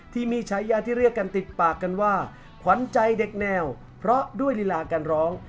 ที่มีฉายาที่เรียกกันติดปากกันว่าขวัญใจเด็กแนวเพราะด้วยลีลาการร้อง